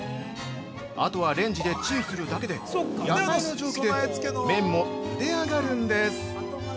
あとはレンジでチンするだけで野菜の蒸気で麺もゆで上がるんです。